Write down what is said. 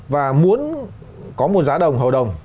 và muốn có một giá đồng hầu đồng